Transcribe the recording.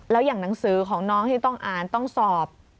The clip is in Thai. แล้วอย่างหนังสือของน้องที่ต้องอ่านต้องสอบ